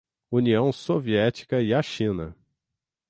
União Soviética e a China